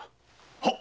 はっ！